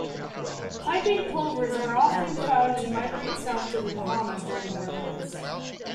Piping plovers are often found to migrate south to The Bahamas during winter months.